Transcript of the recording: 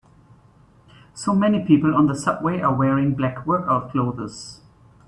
So many people on the subway are wearing black workout clothes.